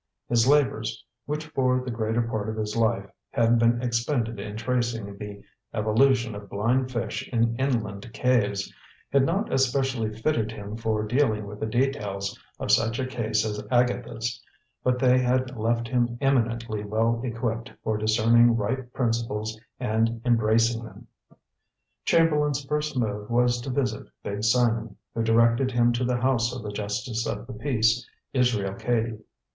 His labors, which, for the greater part of his life, had been expended in tracing the evolution of blind fish in inland caves, had not especially fitted him for dealing with the details of such a case as Agatha's; but they had left him eminently well equipped for discerning right principles and embracing them. Chamberlain's first move was to visit Big Simon, who directed him to the house of the justice of the peace, Israel Cady.